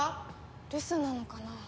留守なのかな？